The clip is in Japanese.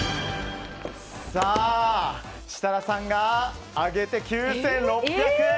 設楽さんが上げて、９６００円。